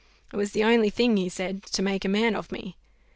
It was the only thing, he said, to make a man of me.